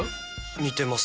似てます。